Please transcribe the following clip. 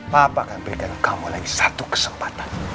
papa akan pegang kamu lagi satu kesempatan